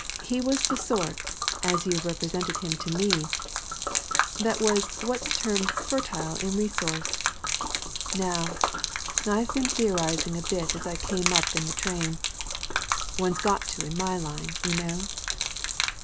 He was the sort as you've represented him to me that was what's termed fertile in resource. Now, I've been theorizing a bit as I came up in the train; one's got to in my line, you know.